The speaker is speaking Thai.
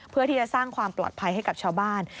เพื่อที่จะสร้างความปลอดภัยให้กับชาวบ้าน